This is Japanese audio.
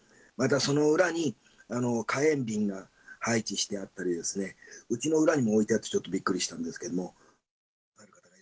またその裏に火炎瓶が配置してあったり、うちの裏にも置いてあって、ちょっとびっくりしたんですけど。